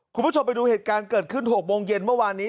คุณผู้ชมไปดูเหตุการณ์เกิดขึ้น๖โมงเย็นเมื่อวานนี้